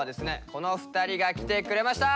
この２人が来てくれました。